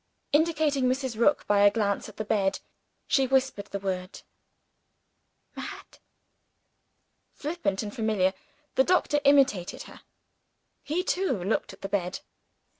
Indicating Mrs. Rook by a glance at the bed, she whispered the word: "Mad?" Flippant and familiar, the doctor imitated her; he too looked at the bed.